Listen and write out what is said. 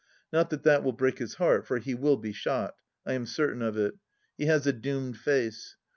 Not that that will break his heart, for he will be shot. I am certain of it. He has a doomed face.